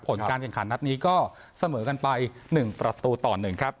ผลการแข่งขันนัดนี้ก็เสมอกันไป๑ประตูต่อ๑ครับ